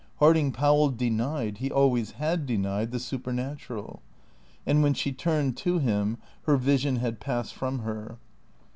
Harding Powell denied, he always had denied the supernatural. And when she turned to him her vision had passed from her.